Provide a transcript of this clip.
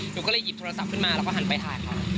หนูก็เลยหยิบโทรศัพท์ขึ้นมาแล้วก็หันไปถ่ายเขา